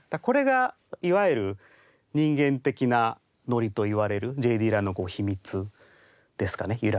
これがいわゆる人間的なノリといわれるＪ・ディラの秘密ですかね。